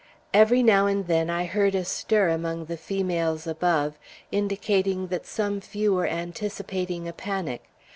Every now and then I heard a stir among the females above, indicating that some few were anticipating a panic.